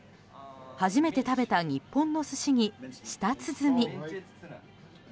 初めて食べた日本の寿司に舌鼓。